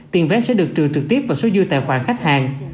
tiền vé sẽ được trừ trực tiếp vào số dư tài khoản khách hàng